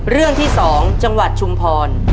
เรื่องที่๒จังหวัดชุมพร